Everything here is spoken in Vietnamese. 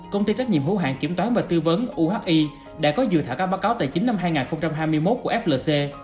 công ty trách nhiệm hữu hạng kiểm toán và tư vấn uhi đã có dự thảo các báo cáo tài chính năm hai nghìn hai mươi một của flc